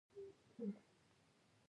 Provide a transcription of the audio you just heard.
له دې صحرا څخه سلامت ووتلو.